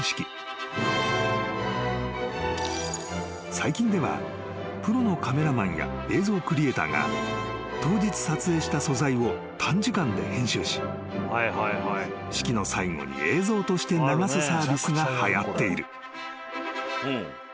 ［最近ではプロのカメラマンや映像クリエーターが当日撮影した素材を短時間で編集し式の最後に映像として流すサービスがはやっている］